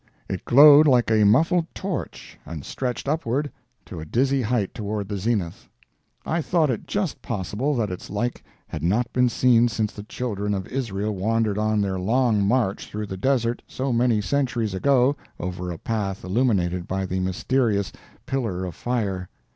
It glowed like a muffled torch and stretched upward to a dizzy height toward the zenith. I thought it just possible that its like had not been seen since the children of Israel wandered on their long march through the desert so many centuries ago over a path illuminated by the mysterious "pillar of fire."